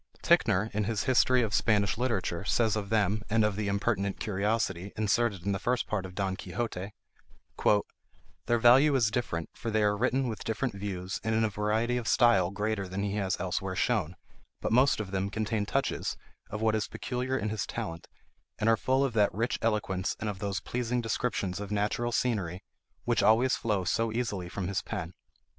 Ticknor, in his "History of Spanish Literature," says of them, and of the "Impertinent Curiosity," inserted in the first part of Don Quixote:— "Their value is different, for they are written with different views, and in a variety of style greater than he has elsewhere shown; but most of them contain touches of what is peculiar in his talent, and are full of that rich eloquence and of those pleasing descriptions of natural scenery which always flow so easily from his pen.